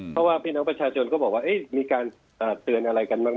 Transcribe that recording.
เพราะว่าพี่น้องประชาชนก็บอกว่ามีการเตือนอะไรกันบ้าง